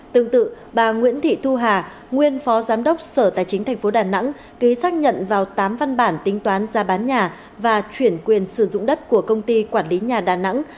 tương tự bà nguyễn thị thu hà nguyên phó giám đốc sở tài chính tp đà nẵng ký xác nhận vào tám văn bản tính toán giá bán nhà và chuyển quyền sử dụng đất của công ty quản lý nhà đà nẵng